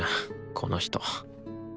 この人。